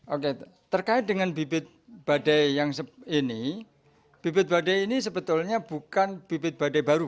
oke terkait dengan bibit badai yang ini bibit badai ini sebetulnya bukan bibit badai baru